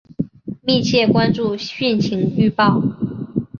密切关注汛情预报